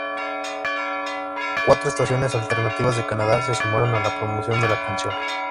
Cuatro estaciones alternativas de Canadá se sumaron a la promoción de la canción.